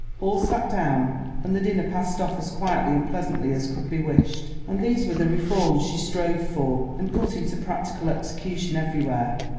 All sat down, and the dinner passed off as quietly and pleasantly as could be wished. And these were the reforms she strove for, and put into practical execution everywhere.